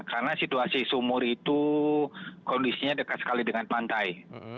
karena situasi sumur itu kondisinya dekat sekali dengan pantai